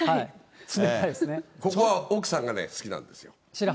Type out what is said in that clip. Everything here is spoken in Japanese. ここは奥さんが好きなんですよ。